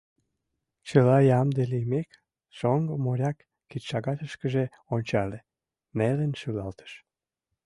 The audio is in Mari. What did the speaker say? — Чыла ямде лиймек, шоҥго моряк кидшагатышкыже ончале, нелын шӱлалтыш.